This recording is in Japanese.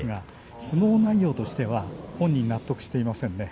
相撲内容としては本人納得していませんね。